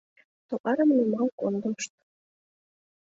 Товарым нумал кондышт.